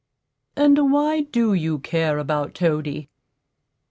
"And why do you care about Toady?"